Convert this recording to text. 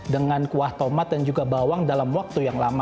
dengan kuah tomat dan juga bawang dalam waktu yang lama